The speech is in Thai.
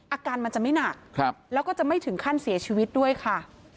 อาการมันจะไม่หนักแล้วก็จะไม่ถึงขั้นเสียชีวิตด้วยค่ะ